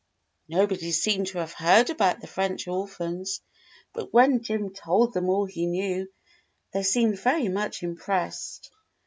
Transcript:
Nobody seemed to have heard about the French orphans, but when Jim told them all he knew they seemed very much impressed.